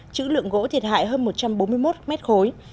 chữ lượng gỗ thiệt hại hơn một trăm bốn mươi một mét khối